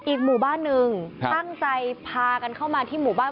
อีกหมู่บ้านหนึ่งตั้งใจพากันเข้ามาที่หมู่บ้าน